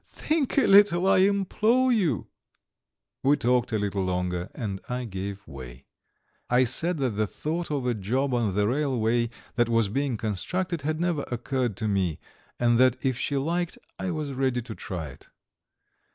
Think a little, I implore you." We talked a little longer and I gave way. I said that the thought of a job on the railway that was being constructed had never occurred to me, and that if she liked I was ready to try it.